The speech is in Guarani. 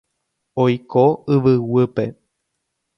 Oiko yvyguýpe.